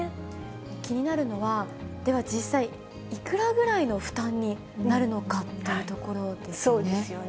気になるのは、では実際、いくらぐらいの負担になるのかっていうところですね。